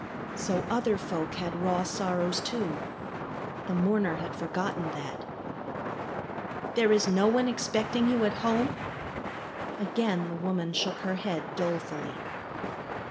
So other folk had raw sorrows, too. The mourner had forgotten that. "There is no one expecting you at home?" Again the woman shook her head dolefully.